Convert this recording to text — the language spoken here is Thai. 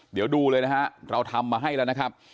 เดี๋ยวดูเลยนะฮะเราทำมาให้แล้วนะครับ